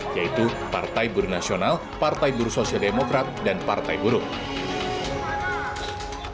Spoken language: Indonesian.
yaitu partai buruh nasional partai buruh sosial demokrat dan partai buruh